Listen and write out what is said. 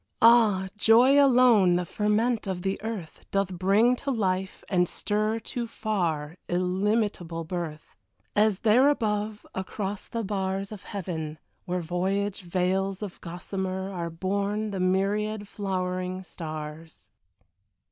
Ah, joy alone, the ferment of the earth, Doth bring to life and stir To far, illimitable birth; As there above, across the bars Of heaven, where voyage veils of gossamer, Are born the myriad flowering stars.